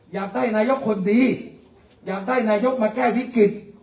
อยากได้นายกคนดีอยากได้นายกมาแก้วิกฤต